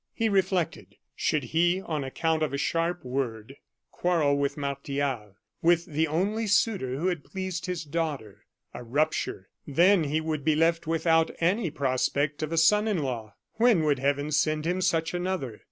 He reflected. Should he, on account of a sharp word, quarrel with Martial with the only suitor who had pleased his daughter? A rupture then he would be left without any prospect of a son in law! When would Heaven send him such another?